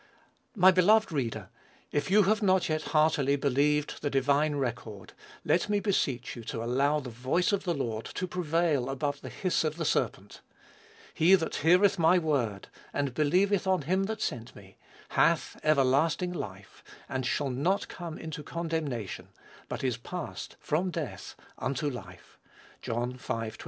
My beloved reader, if you have not yet heartily believed the divine record, let me beseech you to allow "the voice of the Lord" to prevail above the hiss of the serpent. "He that heareth my word, and believeth on him that sent me, hath everlasting life, and shall not come into condemnation; but is passed from death unto life." (John v. 24.)